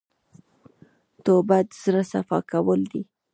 توبه د زړه صفا کول دي.